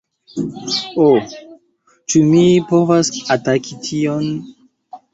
Ho, ĉu mi povas ataki tion?